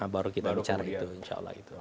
baru kita bicara